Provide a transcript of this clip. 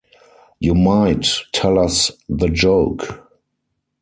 You might tell us the joke.